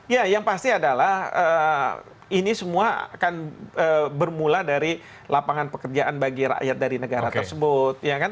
ya yang pasti adalah ini semua akan bermula dari lapangan pekerjaan bagi rakyat dari negara tersebut